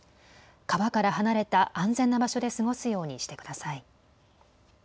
川から離れた安全な場所で過ごすようにしてください。